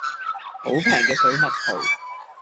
好平嘅水蜜桃